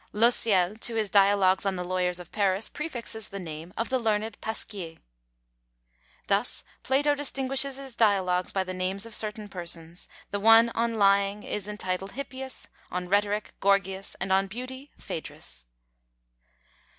Lociel to his Dialogues on the Lawyers of Paris prefixes the name of the learned Pasquier. Thus Plato distinguishes his Dialogues by the names of certain persons; the one on Lying is entitled Hippius; on Rhetoric, Gorgias; and on Beauty, PhÃḊdrus.